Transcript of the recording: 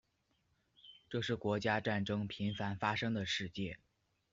这是国家战争频繁发生的世界。